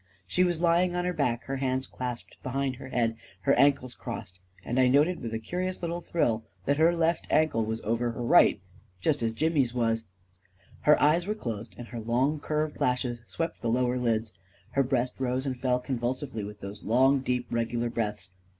She was lying on her back, her hands clasped be hind her head, her ankles crossed — and I noted, with a curious little thrill, that her left ankle was A KING IN BABYLON 283 over her right, just as Jimmy's was. Her eyes were closed, and her long, curved lashes swept the lower lids. Her breast rose and fell convulsively with those long, deep, regular breaths.